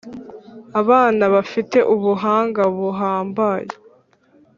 abana bafite ubuhanga buhambaye